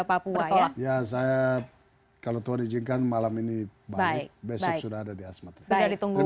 papua ya saya kalau tuhan izinkan malam ini baik besok sudah ada di asmat sudah ditunggu